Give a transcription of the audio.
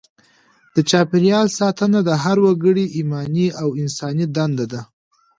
د چاپیریال ساتنه د هر وګړي ایماني او انساني دنده ده.